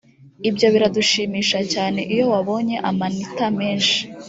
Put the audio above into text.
ibyo biradushimisha cyane iyo wabonye amanita menshi